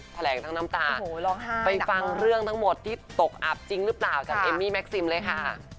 แถลงทั้งน้ำตาไปฟังเรื่องทั้งหมดที่ตกอับจริงหรือเปล่าจากเอมมี่แม็กซิมเลยค่ะ